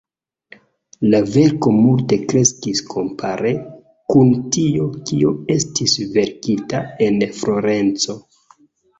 La verko multe kreskis kompare kun tio, kio estis verkita en Florenco.